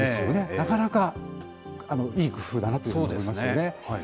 なかなか、いい工夫だなというふうに思いますよね。